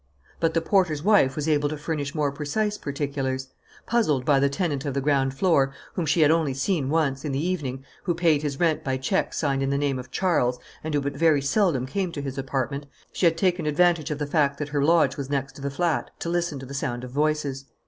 But the porter's wife was able to furnish more precise particulars. Puzzled by the tenant of the ground floor, whom she had only seen once, in the evening, who paid his rent by checks signed in the name of Charles and who but very seldom came to his apartment, she had taken advantage of the fact that her lodge was next to the flat to listen to the sound of voices.